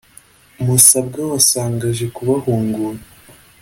musabwa wa sango aje kubahungura.